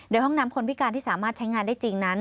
โดยห้องน้ำคนพิการที่สามารถใช้งานได้จริงนั้น